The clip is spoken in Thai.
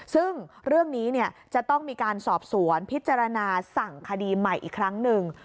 ซึ่งเรื่องนี้จะต้องมีการสอบสวนพิจารณาสั่งคดีใหม่อีกครั้งหนึ่ง